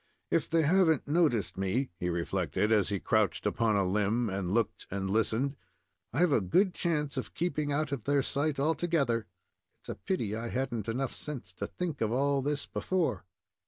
"If they have n't noticed me," he reflected, as he crouched upon a limb, and looked and listened, "I've a good chance of keeping out of their sight altogether. It's a pity I had n't had enough sense to think of all this before."